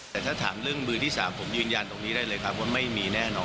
เชอรี่เลือนขวาน